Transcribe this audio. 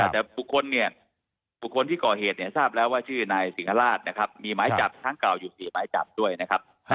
แต่บุคคลเนี่ยบุคคลที่ก่อเหตุเนี่ยทราบแล้วว่าชื่อนายสิงหราชนะครับมีหมายจับครั้งเก่าอยู่๔หมายจับด้วยนะครับ